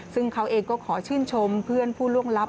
ซึ่งเขาเองก็ขอชื่นชมเพื่อนผู้ล่วงลับ